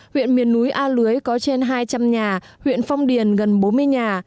huyện miền núi a lưới có trên hai trăm linh nhà huyện phong điền gần bốn mươi nhà